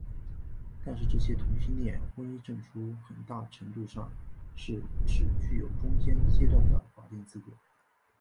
但是这些同性恋婚姻证书很大程度上是只具有中间阶段的法定资格。